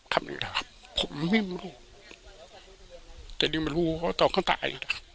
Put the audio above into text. ครับหนึ่งครับผมไม่รู้แต่ยังไม่รู้ว่าต้องตาย